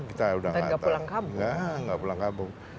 kita sudah tidak pulang kabung